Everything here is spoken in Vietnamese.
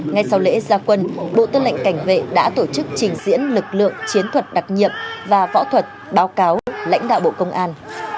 ngay sau lễ gia quân bộ tư lệnh cảnh vệ đã tổ chức trình diễn lực lượng chiến thuật đặc nhiệm và võ thuật báo cáo lãnh đạo bộ công an